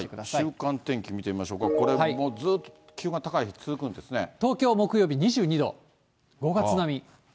週間天気見てみましょうか、これ、ずっと気温が高い日、続く東京、木曜日２２度、５月並み。